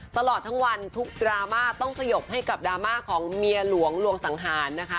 ตลอดทั้งวันทุกดราม่าต้องสยบให้กับดราม่าของเมียหลวงลวงสังหารนะคะ